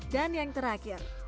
dan yang terakhir